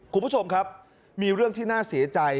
คุณผู้ชมครับมีเรื่องที่น่าเสียใจ